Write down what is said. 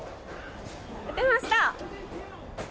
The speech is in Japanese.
打てました！